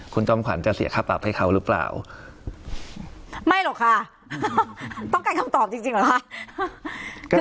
คุณจอมขวัญจะเสียค่าปรับให้เขาหรือเปล่าไม่หรอกค่ะต้องการคำตอบจริงจริงเหรอคะ